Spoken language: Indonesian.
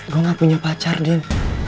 gue gak punya pacar dia